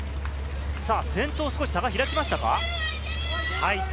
先頭、少し差が開きましたか？